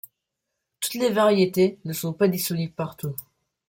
Toutes les variétés ne sont pas disponibles partout.